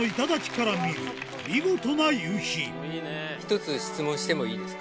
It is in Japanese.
一つ質問してもいいですか？